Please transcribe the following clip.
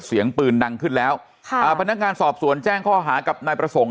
เสียงปืนดังขึ้นแล้วค่ะอ่าพนักงานสอบสวนแจ้งข้อหากับนายประสงค์